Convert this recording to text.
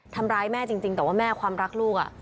ทำร้ายแม่จริงแต่ว่าแม่ความรักลูก